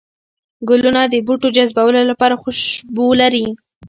گلونه د بوټو جذبولو لپاره خوشبو لري